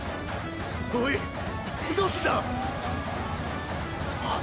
おいどうすんだ⁉はっ。